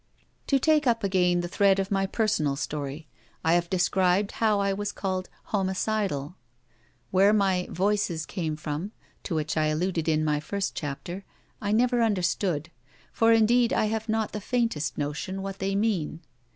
To take up again the thread of my personal story, I have described how I was called 'homicidal.' Where my 'voices' came from, to which I alluded in my first chapter, I never understood; for indeed I have not the faintest notion what they mean.